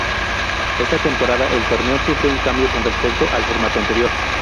Esta temporada, el torneo sufre un cambio con respecto al formato anterior.